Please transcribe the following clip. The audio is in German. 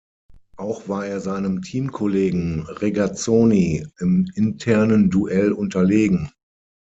Auch war er seinem Teamkollegen Regazzoni im internen Duell unterlegen.